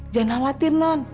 jangan khawatir non